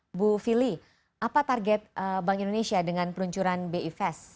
ibu fili apa target bank indonesia dengan peluncuran bi fast